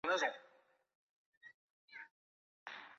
目前在上海广播电视台东方卫视中心担任主持人。